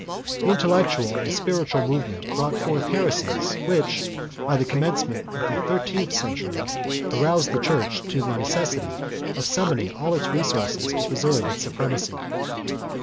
The intellectual and spiritual movement brought forth heresies which, by the commencement of the thirteenth century, aroused the Church to the necessity of summoning all its resources to preserve its supremacy.